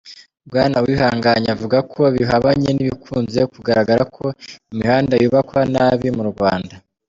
Bwana Uwihanganye avuga ko bihabanye n’ibikunze kugaragara ko imihanda yubakwa nabi mu Rwanda.